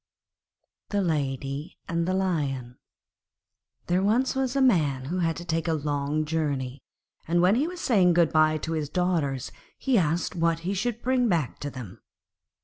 The Lady and the Lion There was once a Man who had to take a long journey, and when he was saying good bye to his daughters he asked what he should bring back to them.